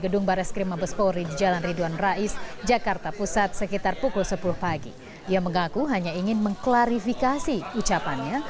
dia mengaku hanya ingin mengklarifikasi ucapannya